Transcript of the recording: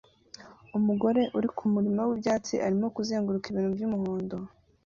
umukobwa uri kumurima wibyatsi arimo kuzenguruka ibintu byumuhondo